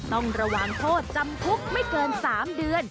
ต้องระวังโทษจำคุกไม่เกิน๓เดือน